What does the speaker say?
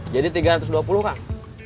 jadi tiga ratus dua puluh kang